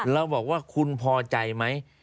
เราบอกว่าคุณพอใจไหม